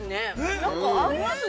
なんか合いますね。